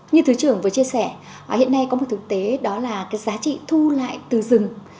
như thứ trưởng vừa chia sẻ hiện nay có một thực tế đó là cái giá trị thu lại từ rừng